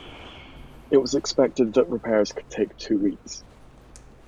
It was expected that repairs could take two weeks.